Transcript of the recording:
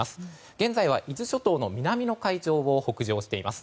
現在は伊豆諸島の南の海上を北上しています。